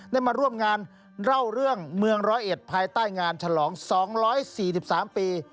ได้มาร่วมงานเล่าเรื่องเมืองร้อยเอ็ดภายใต้งานฉลอง๒๔๓ปี